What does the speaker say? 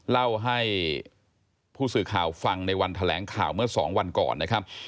เล่าให้ผู้สื่อข่าวฟังในวันแถลงข่าวเมื่อสองวันก่อนนะครับ